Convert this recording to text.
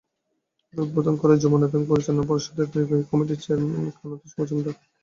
এর উদ্বোধন করেন যমুনা ব্যাংক পরিচালনা পর্ষদের নির্বাহী কমিটির চেয়ারম্যান কানুতোষ মজুমদার।